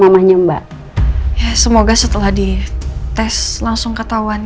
emang begitu kan